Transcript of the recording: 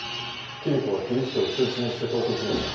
キリコはキリヒトを人質にして逃走しました